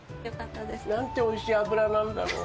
何ておいしい脂なんだろう。